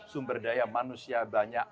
sumber daya manusia banyak